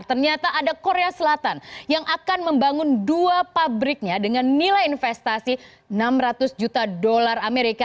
ternyata ada korea selatan yang akan membangun dua pabriknya dengan nilai investasi enam ratus juta dolar amerika